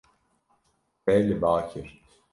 Te li ba kir.